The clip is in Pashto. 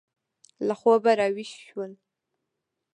له خوبه را ویښ شول.